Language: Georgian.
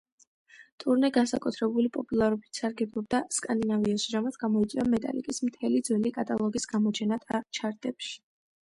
ტურნე განსაკუთრებული პოპულარობით სარგებლობდა სკანდინავიაში, რამაც გამოიწვია მეტალიკის მთელი ძველი კატალოგის გამოჩენა ჩარტებში.